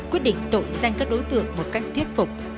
quyết định tội danh các đối tượng một cách thuyết phục